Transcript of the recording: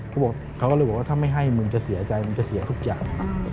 เขาบอกเขาก็เลยบอกว่าถ้าไม่ให้มึงจะเสียใจมึงจะเสียทุกอย่าง